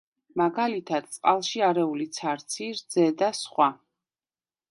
მაგალითად, წყალში არეული ცარცი, რძე და სხვა.